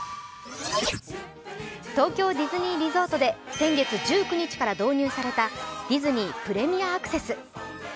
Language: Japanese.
東京ディズニーリゾートで先月１９日から導入されたディズニー・プレミアアクセス。